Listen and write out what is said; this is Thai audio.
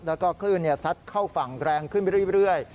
แล้วก็คลื่นซัดเข้าฝั่งแรงขึ้นไปเรื่อย